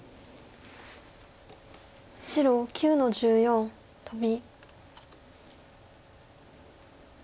白９の十四トビ。